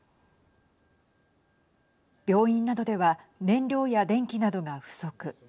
病院などでは燃料や電気などが不足。